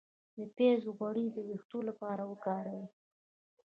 د پیاز غوړي د ویښتو لپاره وکاروئ